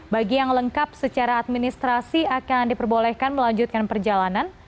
bagi yang lengkap secara administrasi akan diperbolehkan melanjutkan perjalanan